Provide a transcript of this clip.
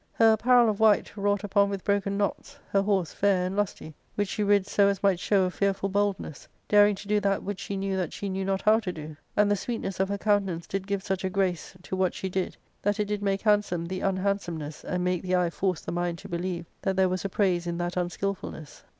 Her apparel of white, wrought upon with broken knots ; her horse fair and lusty, which she rid so as might show a fearful boldness, daring to do that which she knew that she knew not how to do ; and the sweetness of her countenance did give such a grace to what she did, that it did make handsome the unhandsomeness, and make the eye force the mind to believe that there was a praise in that un skilfulness.